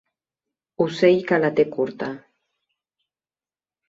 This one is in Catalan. Ocell que la té curta.